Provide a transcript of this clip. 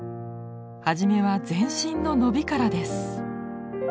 初めは全身の伸びからです。